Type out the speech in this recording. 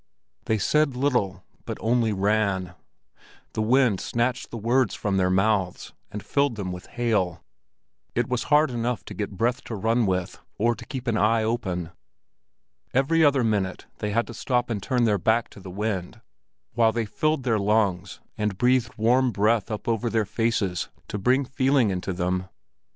They said little, but only ran; the wind snatched the words from their mouths and filled them with hail. It was hard to get enough breath to run with, or to keep an eye open. Every other minute they had to stop and turn their back to the wind while they filled their lungs and breathed warm breath up over their faces to bring feeling into them.